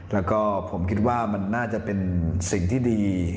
แล้วก็ผมคิดว่ามันน่าจะเป็นสิ่งที่ดี